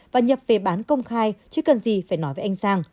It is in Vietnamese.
và nhập về bán công khai chứ cần gì phải nói với anh sang